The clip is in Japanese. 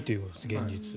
現実。